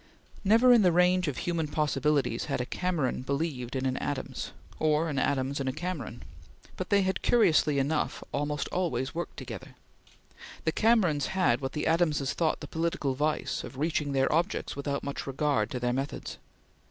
Never in the range of human possibilities had a Cameron believed in an Adams or an Adams in a Cameron but they had curiously enough, almost always worked together. The Camerons had what the Adamses thought the political vice of reaching their objects without much regard to their methods.